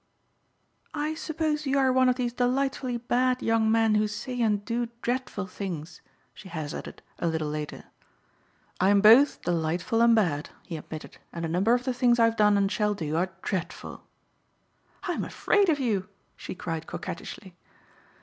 "I suppose you are one of these delightfully bad young men who say and do dreadful things," she hazarded, a little later. "I am both delightful and bad," he admitted, "and a number of the things I have done and shall do are dreadful." "I am afraid of you," she cried coquettishly.